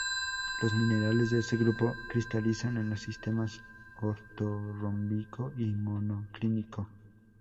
Los minerales de este grupo cristalizan en los sistemas ortorrómbico y monoclínico.